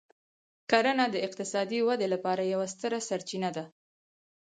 کرنه د اقتصادي ودې لپاره یوه ستره سرچینه ده.